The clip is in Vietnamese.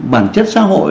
bản chất xã hội